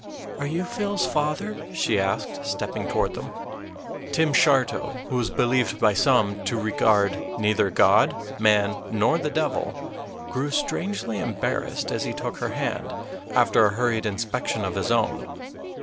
"Are you Phil's father?" she asked, stepping toward them. Tim Shartow, who was believed by some to regard neither God, man, nor the devil, grew strangely embarrassed as he took her hand, after a hurried inspection of his own.